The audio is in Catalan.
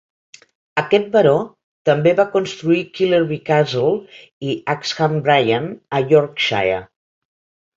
Aquest baró també va construir Killerby Castle i Askham Bryan a Yorkshire.